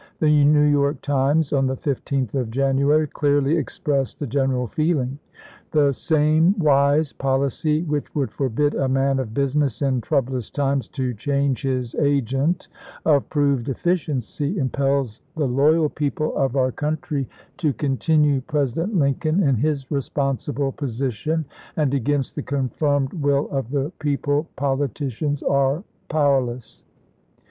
The " New York Times" on the 15th of ^4. January clearly expressed the general feeling: " The same wise policy which would forbid a man of business in troublous times to change his agent of proved efficiency, impels the loyal people of our LINCOLN KENOMINATED 55 country to continue President Lincoln in his re chap. in. sponsible position ; and against the confirmed will of the people politicians are powerless."